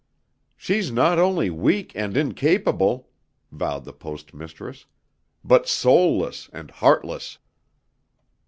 "She's not only weak and incapable," vowed the Post Mistress, "but soulless and heartless."